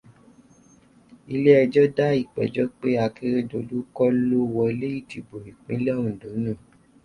Ilé ẹjọ́ da ìpèjọ́ pé Akérédolú kọ́ ló wọlé ìdìbò ìpińlẹ̀ Òǹdó nù.